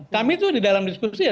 kami itu di dalam diskusi ya